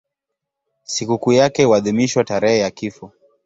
Sikukuu yake huadhimishwa tarehe ya kifo.